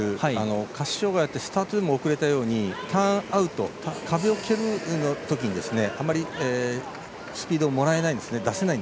下肢障がいがあってスタートでも遅れたようにターンアウト、壁を蹴るときにあまりスピードを出せないんですね。